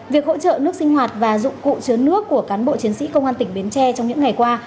việc hỗ trợ nước sinh hoạt và dụng cụ chứa nước của cán bộ chiến sĩ công an tỉnh bến tre trong những ngày qua